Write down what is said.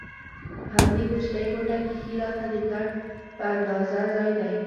په همدې کوچنۍ کوټه کې ښي لاسته د کټ په اندازه ځای دی.